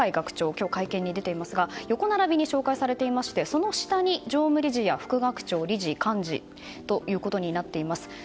今日、会見に出ていますが横並びに紹介されてその下に、常務理事、副学長理事や監事となっています。